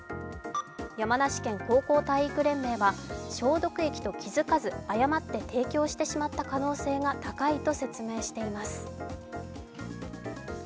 山梨県高校体育連盟は消毒液と気づかず誤って提供してしまった可能性が高いと説明しています。